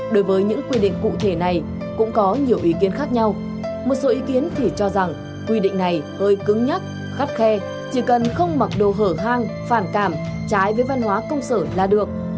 đối với những quy định cụ thể này cũng có nhiều ý kiến khác nhau một số ý kiến thì cho rằng quy định này hơi cứng nhắc khắt khe chỉ cần không mặc đồ hở hang phản cảm trái với văn hóa công sở là được